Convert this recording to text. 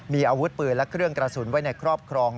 มีอาวุธปืนและเครื่องกระสุนไว้ในครอบครอง